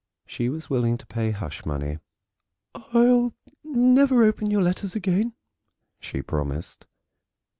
She was willing to pay hush money. "I'll never open your letters again," she promised.